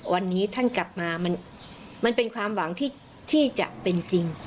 วันนี้ท่านกลับมามันเป็นความหวังที่จะเป็นจริง